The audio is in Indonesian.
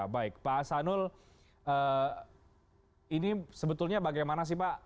baik pak hasanul ini sebetulnya bagaimana sih pak